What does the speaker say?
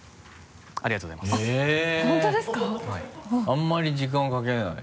あんまり時間かけない。